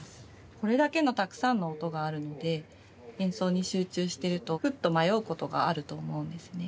これだけのたくさんの音があるので演奏に集中しているとふっと迷うことがあると思うんですね。